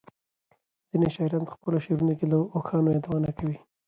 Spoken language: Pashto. ځینې شاعران په خپلو شعرونو کې له اوښانو یادونه کوي.